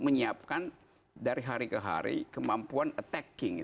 menyiapkan dari hari ke hari kemampuan attacking